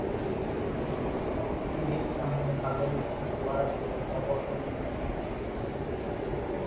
সিঁড়ির সামনে বাগানে একটি ফোয়ারা ছিল, যা বর্তমানে নেই।